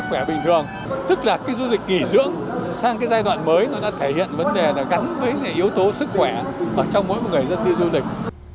sức khỏe bình thường tức là du lịch kỷ dưỡng sang giai đoạn mới nó đã thể hiện vấn đề gắn với yếu tố sức khỏe trong mỗi người dân đi du lịch